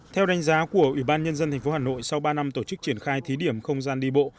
theo đánh giá của ủy ban nhân dân tp hà nội sau ba năm tổ chức triển khai thí điểm không gian đi bộ